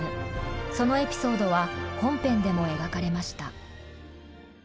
そのエピソードは本編でも描かれました。